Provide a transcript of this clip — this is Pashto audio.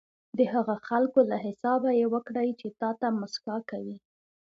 د هغه خلکو له حسابه یې وکړئ چې تاته موسکا کوي.